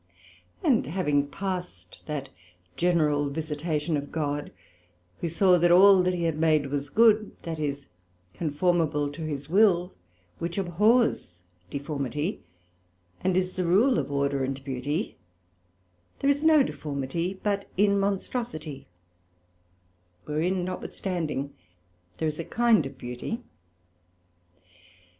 And having past that general Visitation of God, who saw that all that he had made was good, that is, conformable to his Will, which abhors deformity, and is the rule of order and beauty; there is no deformity but in Monstrosity; wherein, notwithstanding, there is a kind of Beauty.